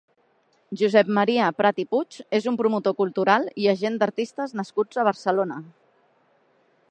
Josep Maria Prat i Puig és un promotor cultural i agent d'artistes nascut a Barcelona.